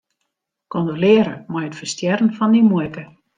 Kondolearre mei it ferstjerren fan dyn muoike.